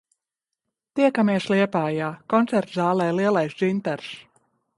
"Tiekamies Liepājā, koncertzālē “Lielais dzintars”!"